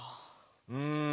うん。